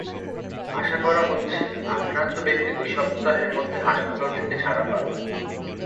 আশা করা হচ্ছে, আক্রান্ত ব্যক্তি দুই সপ্তাহের মধ্যে হাসপাতাল থেকে ছাড়া পাবেন।